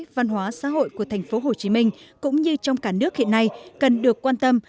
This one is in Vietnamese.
văn hóa xã hội của tp hcm cũng như trong cả nước hiện nay cần được quan tâm